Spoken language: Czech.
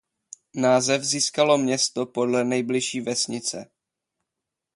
Název získalo město podle nejbližší vesnice.